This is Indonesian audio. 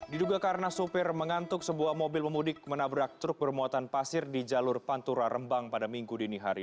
diduga karena sopir mengantuk sebuah mobil memudik menabrak truk bermuatan pasir di jalur pantura rembang pada minggu dini hari